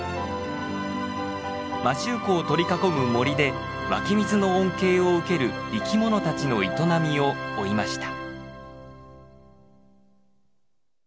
摩周湖を取り囲む森で湧き水の恩恵を受ける生き物たちの営みを追いました。